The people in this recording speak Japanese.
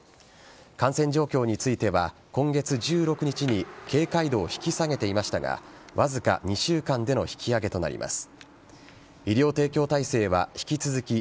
感染状況については今月１６日に警戒度を引き下げていましたがわずか２週間での引き上げとなります。